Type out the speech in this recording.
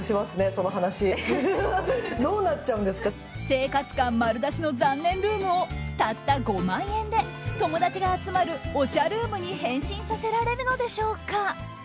生活感丸出しの残念ルームをたった５万円で友達が集まるおしゃルームに変身させられるのでしょうか。